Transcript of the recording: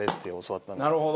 なるほど。